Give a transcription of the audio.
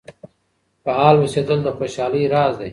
فعال اوسیدل د خوشحالۍ راز دی.